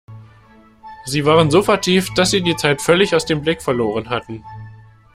Sie waren so vertieft, dass sie die Zeit völlig aus dem Blick verloren hatten.